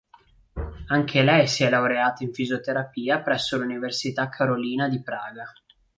Anche lei si è laureata in fisioterapia presso l'Università Carolina di Praga.